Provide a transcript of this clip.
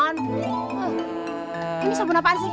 ini sabun apaan sih